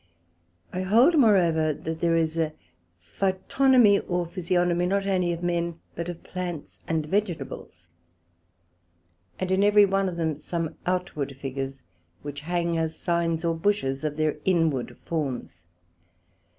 I hold moreover that there is a Phytognomy, or Physiognomy, not only of Men but of Plants and Vegetables; and in every one of them, some outward figures which hang as signs or bushes of their inward forms.